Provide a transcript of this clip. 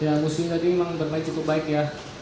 ya musim tadi memang bermain cukup baik ya